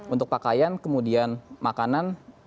untuk pakaian kemudian makanan